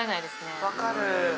分かる。